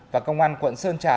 và công an quận sơn trà